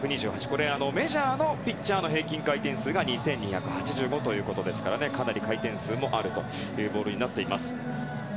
これはメジャーのピッチャーの平均回転数が２２８５ということですからかなり回転数もあるというボールになっています。